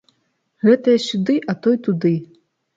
Гэтыя сюды, а той туды.